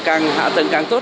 càng hạ tầng càng tốt